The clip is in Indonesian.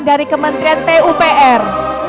dari kementrian pupr